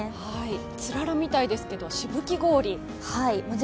つららみたいですけど、しぶき氷なんですね。